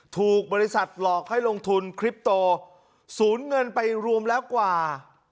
ถูกบริษัทหลอกให้ลงทุนคลิปโตสูญเงินไปรวมแล้วกว่า